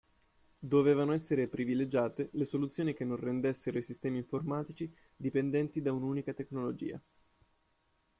Dovevano essere privilegiate le soluzioni che non rendessero i sistemi informatici dipendenti da un'unica tecnologia.